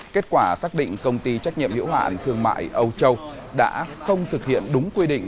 kết quả xác định công ty trách nhiệm hiểu hạn thương mại âu châu đã không thực hiện đúng quy định